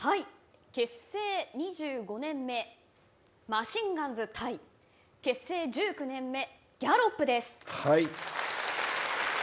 結成２５年目マシンガンズ対結成１９年目ギャロップです。